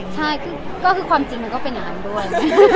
ใช่ก็คือความจริงมันก็เป็นอย่างนั้นด้วย